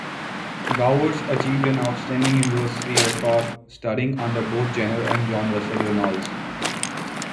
Gowers achieved an outstanding university record, studying under both Jenner and John Russell Reynolds.